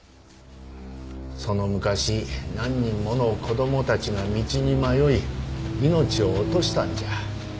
その昔何人もの子供たちが道に迷い命を落としたんじゃ。